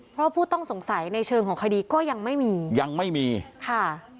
เพราะผู้ต้องสงสัยในเชิงของคดีก็ยังไม่มียังไม่มีค่ะ